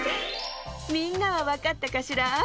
みんなはわかったかしら？